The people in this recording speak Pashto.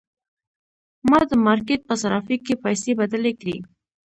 ما د مارکیټ په صرافۍ کې پیسې بدلې کړې.